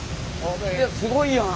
いやすごいやん。